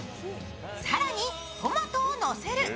更にトマトをのせる。